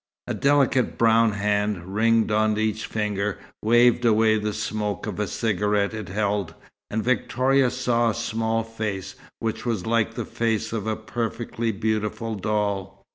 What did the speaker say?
A delicate brown hand, ringed on each finger, waved away the smoke of a cigarette it held, and Victoria saw a small face, which was like the face of a perfectly beautiful doll.